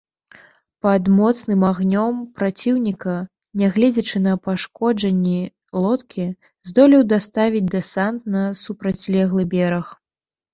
Пад моцным агнём праціўніка, нягледзячы на пашкоджанне лодкі, здолеў даставіць дэсант на супрацьлеглы бераг.